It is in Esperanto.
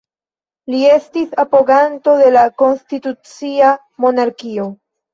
Li estis apoganto de la konstitucia monarkio.